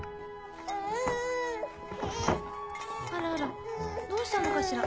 あらあらどうしたのかしら？